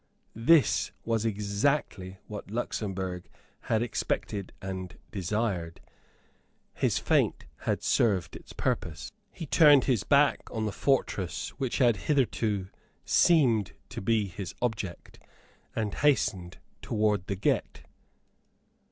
This was exactly what Luxemburg had expected and desired. His feint had served its purpose. He turned his back on the fortress which had hitherto seemed to be his object, and hastened towards the Gette.